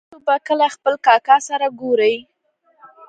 تاسو به کله خپل کاکا سره ګورئ